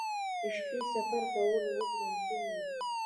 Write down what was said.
د شپې سفر کول اوس ممکن دي